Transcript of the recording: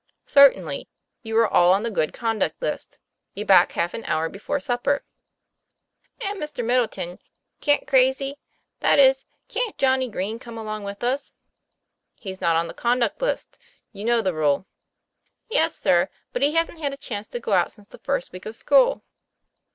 "Certainly; you are all on the good conduct list. Be back half an hour before supper." "And, Mr. Middleton, can't Crazy that is, can't Johnny Green come along with us?" " He's not on the conduct list. You know the rule." "Yes, sir; but he hasn't had a chance to go out since the first week of school."